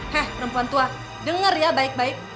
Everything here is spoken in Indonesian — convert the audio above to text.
he perempuan tua dengar ya baik baik